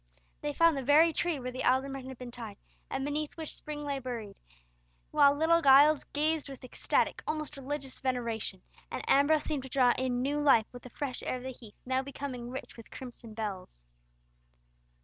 They found the very tree where the alderman had been tied, and beneath which Spring lay buried, while little Giles gazed with ecstatic, almost religious veneration, and Ambrose seemed to draw in new life with the fresh air of the heath, now becoming rich with crimson bells.